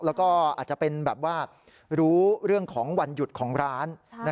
แล้วก็อาจจะเป็นแบบว่ารู้เรื่องของวันหยุดของร้าน